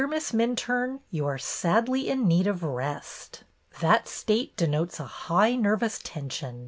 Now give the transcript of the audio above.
Miss Minturne, you are sadly in need of rest. That state denotes a high nervous tension.